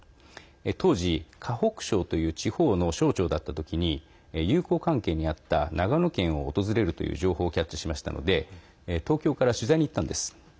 当時、河北省という地方の省長だったときに友好関係にあった長野県を訪れるという情報をキャッチしましたので東京から取材に行ったんです。